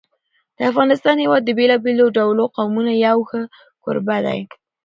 د افغانستان هېواد د بېلابېلو ډولو قومونو یو ښه کوربه دی.